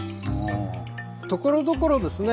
ところどころですね